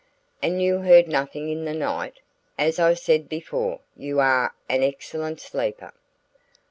"And you heard nothing in the night? As I said before, you are an excellent sleeper!"